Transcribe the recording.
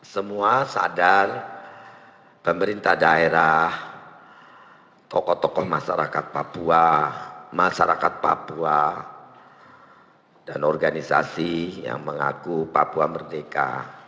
semua sadar pemerintah daerah tokoh tokoh masyarakat papua masyarakat papua dan organisasi yang mengaku papua merdeka